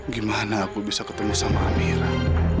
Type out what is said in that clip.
gimana aku bisa ketemu sama amira